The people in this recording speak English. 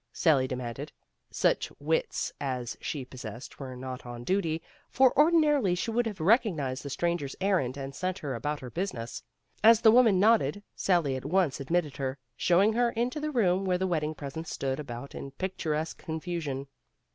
Sally de manded. Such wits as she possessed were not on duty, for ordinarily she would have recognized the stranger's errand, and sent her about her business. As the woman nodded, Sally at once admitted her, showing her into the room where the. wedding presents stood about in picturesque confusion.